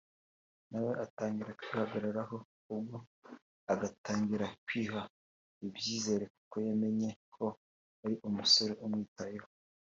nawe atangira kwihagararaho ubwo agatangira kwiha ibyizere kuko yamenye ko hari umusore umwitayeho